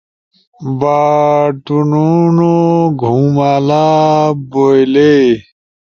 باٹونون، گھومالا، بوئلے